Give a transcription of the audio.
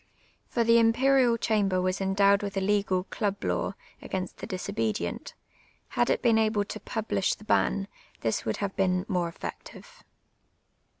For the Imperial ('hand)er was endowed with a legal club law against the disobedient ; had it been able to publish the ban, this would have been more effective.